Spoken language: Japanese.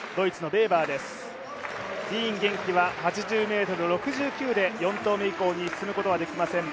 ディーン元気は８０ｍ６９で４投目以降に進むことはできません